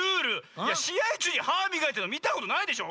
しあいちゅうにはみがいてるのみたことないでしょ！